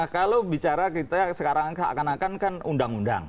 kalau bicara kita sekarang akan kan undang undang